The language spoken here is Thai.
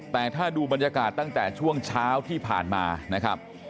แต่ถ้าดูบรรยากาศตั้งแต่ช่วงเช้าที่ผ่านมานะครับ